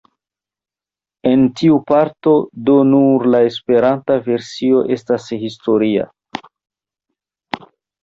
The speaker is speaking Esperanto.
En tiu parto do nur la esperanta versio estas historia.